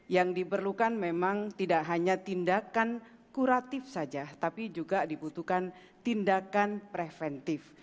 yang diperlukan memang tidak hanya tindakan kuratif saja tapi juga dibutuhkan tindakan preventif